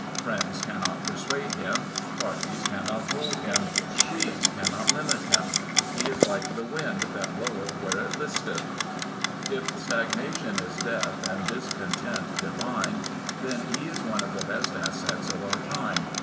Friends cannot persuade him; parties cannot hold him; creeds cannot limit him. He is like the wind that bloweth where it listjtiu If stagnation is death and discontent divine, then he is one of the best assets of our time.